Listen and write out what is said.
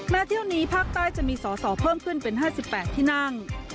เที่ยวนี้ภาคใต้จะมีสอสอเพิ่มขึ้นเป็น๕๘ที่นั่ง